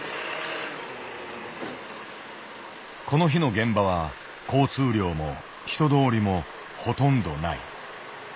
この日の現場は交通量も人通りもほとんどない。